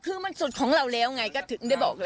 คือมันสุดของเราแล้วไงก็ถึงได้บอกเลย